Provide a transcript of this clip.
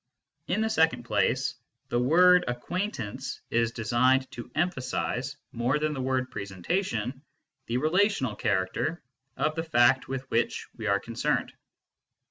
In the second place, the word acquaintance is designed to emphasise, more than the word presentation, the relational character of the fact with which we are concerned.